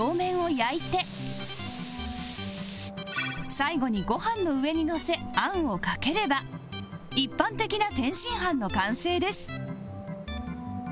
最後にご飯の上にのせ餡をかければ一般的な天津飯の完成です